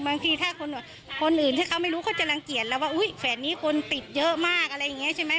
บางทีถ้าคนอื่นที่เขาไม่รู้เขาจะรังเกียจแล้วว่าอุ๊ยแฝดนี้คนติดเยอะมากอะไรอย่างนี้ใช่ไหม